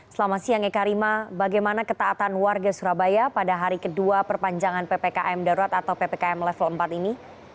selamat siang eka rima bagaimana ketaatan warga surabaya pada hari kedua perpanjangan ppkm darurat atau ppkm level empat ini